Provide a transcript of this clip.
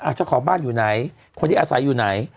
เจ้าของบ้านอยู่ไหนคนที่อาศัยอยู่ไหน